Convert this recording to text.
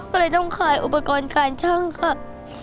ก็เลยต้องขายอุปกรณ์การช่างค่ะ